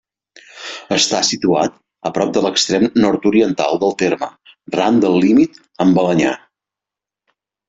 Està situat a prop de l'extrem nord-oriental del terme, ran del límit amb Balenyà.